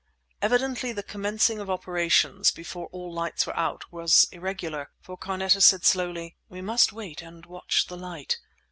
Evidently the commencing of operations before all lights were out was irregular, for Carneta said slowly— "We must wait and watch the light.